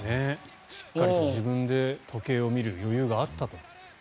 しっかりと自分で時計を見る余裕があったと。